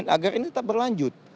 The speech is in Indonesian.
agar ini tetap berlanjut